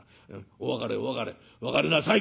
お別れお別れ別れなさい」。